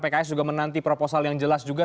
pks juga menanti proposal yang jelas juga